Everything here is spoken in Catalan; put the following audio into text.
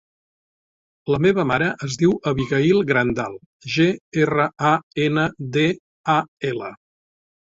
La meva mare es diu Abigaïl Grandal: ge, erra, a, ena, de, a, ela.